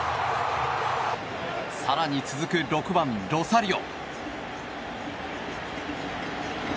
更に続く６番、ロサリオ。